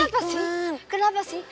kenapa sih kenapa sih